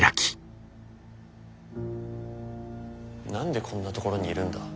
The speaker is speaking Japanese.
何でこんなところにいるんだ？